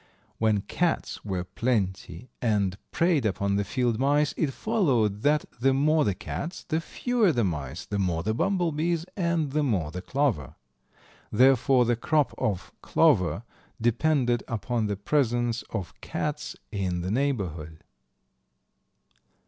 When cats were plenty and preyed upon the field mice it followed that the more the cats, the fewer the mice, the more the bumblebees, and the more the clover. Therefore, the crop of clover depended upon the presence of cats in the neighborhood.